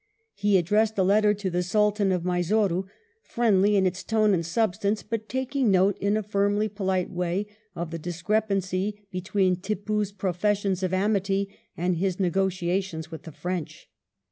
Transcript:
He addressed a letter to the Sultan of Mysore, friendly in its tone and substance, but taking note in a firmly polite way of the discrepancy between Tippoo's professions of amity and his negotiations with the French.